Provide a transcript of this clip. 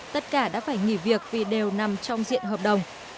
tất cả đã phải nghỉ việc vì đều nằm trong diện hợp đồng